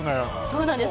そうなんです。